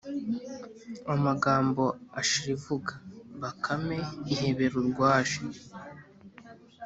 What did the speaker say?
amagambo ashira ivuga, bakame ihebera urwaje.